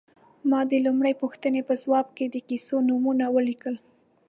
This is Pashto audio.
ما د لومړۍ پوښتنې په ځواب کې د کیسو نومونه ولیکل.